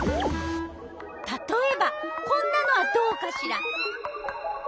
たとえばこんなのはどうかしら？